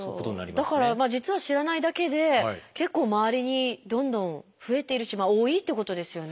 だから実は知らないだけで結構周りにどんどん増えているし多いっていうことですよね。